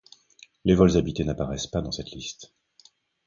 Les vols habités n'apparaissent pas dans cette liste.